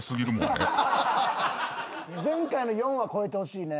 前回の４は超えてほしいね。